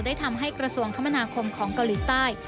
ทำให้กระทรวงคมนาคมของเกาหลีใต้